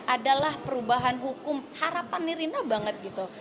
adalah perubahan hukum harapan nirina banget gitu